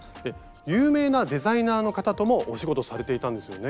有名なデザイナーの方ともお仕事されていたんですよね？